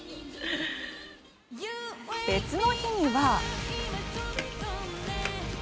別の日には。